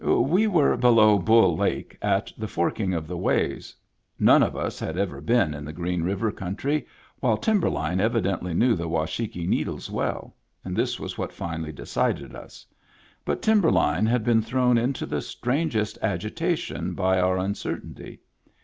We were below Bull Lake at the forking of the ways; none of us had ever been in the Green River country^ while Timberline evidently knew the Washakie Needles well, and this was what finally decided us. But Timberline had been thrown into the strangest agitation by our un certainty.